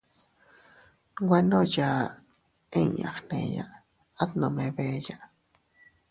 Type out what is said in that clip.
Nwe ndo yaa inña gneya, at nome beeya.